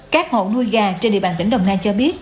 các hộ nuôi gà trên địa bàn tỉnh đồng nai cho biết